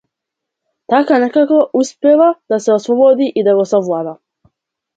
Таа некако успева да се ослободи и да го совлада.